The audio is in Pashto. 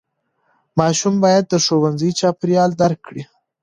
ماشوم باید د ښوونځي چاپېریال درک کړي.